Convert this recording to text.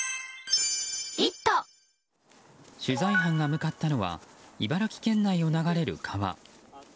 取材班が向かったのは茨城県内を流れる川。